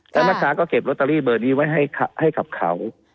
แล้วแม่ค้าก็เก็บลอตเตอรี่เบอร์นี้ไว้ให้กับเขา